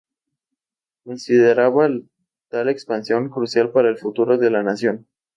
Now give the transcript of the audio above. Consideraba tal expansión crucial para el futuro de la nación.